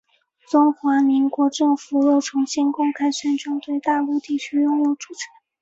中华民国政府又重新公开宣称对大陆地区拥有主权。